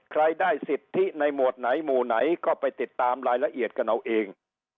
ใครได้สิทธิในหมวดไหนหมู่ไหนก็ไปติดตามรายละเอียดกันเอาเอง